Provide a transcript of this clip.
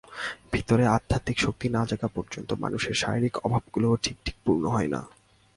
ভিতরে আধ্যাত্মিক শক্তি না জাগা পর্যন্ত মানুষের শারীরিক অভাবগুলিও ঠিক ঠিক পূর্ণ হয় না।